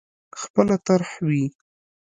خپله طرح وي.